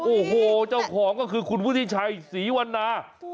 โอ้โหจ้าของก็คือคุณผู้ที่ชัยศรีวรรณา